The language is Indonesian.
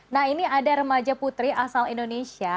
nah ini ada remaja putri asal indonesia